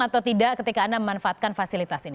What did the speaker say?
atau tidak ketika anda memanfaatkan fasilitas ini